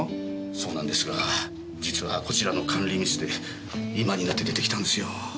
そうなんですが実はこちらの管理ミスで今になって出てきたんですよ。